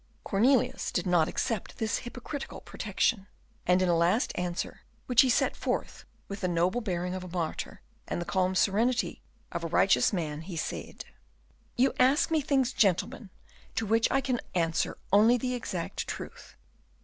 Cornelius did not accept of this hypocritical protection, and in a last answer, which he set forth with the noble bearing of a martyr and the calm serenity of a righteous man, he said, "You ask me things, gentlemen, to which I can answer only the exact truth.